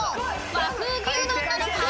［和風牛丼なのか？